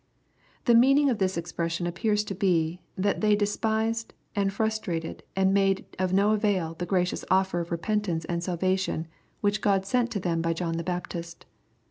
] The meaning oi this expression appears to be. that tb^y despised, and frustrated, and made of no avail the gracious o0er of repentance and salvation, which God sent to them by John the Baptist.